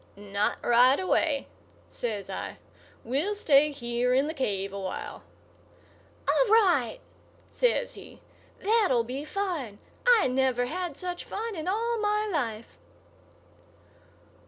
"Not right away," says I. "We'll stay here in the cave a while." "All right!" says he. "That'll be fine. I never had such fun in all my life."